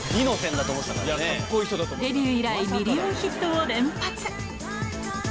デビュー以来、ミリオンヒットを連発。